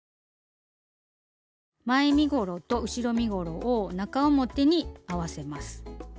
前身ごろと後ろ身ごろを中表に合わせます。